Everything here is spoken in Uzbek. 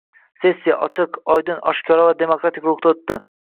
Sessiya – ochiq, oydin, oshkora va demokratik ruhda o‘tdi